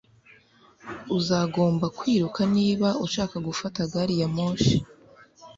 Uzagomba kwiruka niba ushaka gufata gari ya moshi